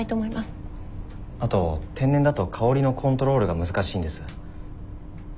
あと天然だと香りのコントロールが難しいんです。